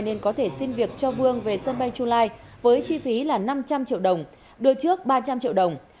nên có thể xin việc cho phương về sân bay chulai với chi phí là năm trăm linh triệu đồng đưa trước ba trăm linh triệu đồng